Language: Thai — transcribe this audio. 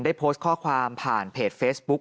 ได้โพสต์ข้อความผ่านเพจเฟซบุ๊ค